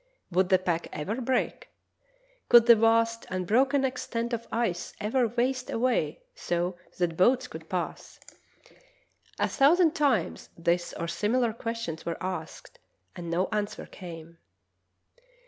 Would the pack ever break? Could that vast, unbroken extent of ice ever waste away so that boats could pass? A thousand 52 True Tales of Arctic Heroism times this or similar questions were asked, and no an swer came.